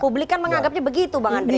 publik kan mengagapnya begitu bang andri